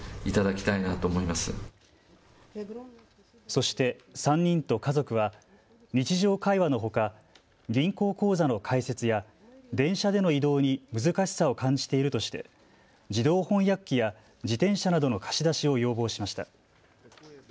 そして３人と家族は日常会話のほか銀行口座の開設や電車での移動に難しさを感じているとして自動翻訳機や自転車などの貸し出しを要望しました。